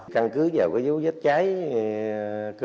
căn cứ vào cái dấu vết trái cơ chế hành thành dấu vết trái